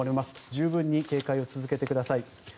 十分に警戒を続けてください。